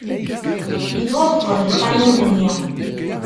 Yettwabṭel lqanun-nni.